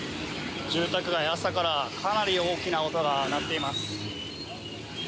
住宅街、朝からかなり大きな音が鳴っています。